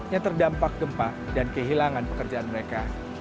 yang terdampak gempa dan kehilangan pekerjaan mereka